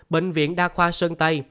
bệnh viện đa khoa sơn tây